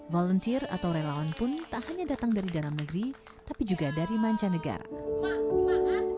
volunteer atau relawan pun tak hanya datang dari dalam negeri tapi juga dari mancanegara